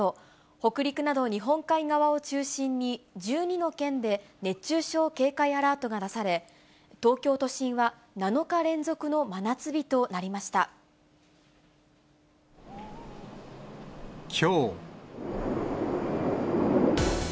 北陸など日本海側を中心に、１２の県で熱中症警戒アラートが出され、東京都心は７日連続の真きょう。